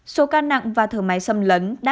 số ca nặng và thở máy xâm lấn đáp